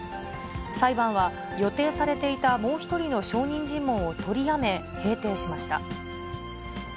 裁判は予定されていたもう一人の証人尋問を取りやめ、閉廷しました。